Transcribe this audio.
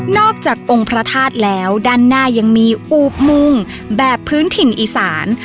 อกจากองค์พระธาตุแล้วด้านหน้ายังมีอูบมุงแบบพื้นถิ่นอีสาน